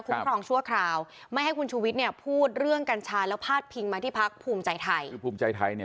คุ้มครองชั่วคราวไม่ให้คุณชูวิทเนี่ยพูดเรื่องกัญชาแล้วพาดพิงมาที่พักภูมิใจไทย